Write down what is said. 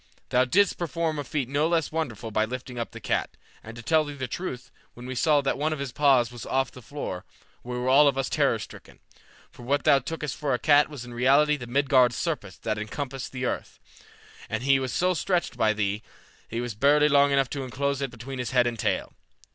Thou didst perform a feat no less wonderful by lifting up the cat, and to tell thee the truth, when we saw that one of his paws was off the floor, we were all of us terror stricken, for what thou tookest for a cat was in reality the Midgard serpent that encompasseth the earth, and he was so stretched by thee that he was barely long enough to enclose it between his head and tail.